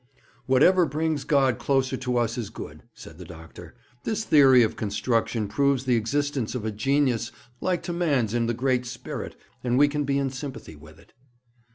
'Whatever brings God closer to us is good,' said the doctor. 'This theory of construction proves the existence of a genius like to man's in the Great Spirit, and we can be in sympathy with it.'